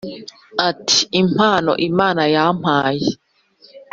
Ati impano Imana yampaye